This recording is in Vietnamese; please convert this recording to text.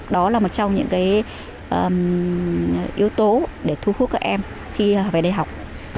đó là một trong những yếu tố để thu hút các em khi về đây học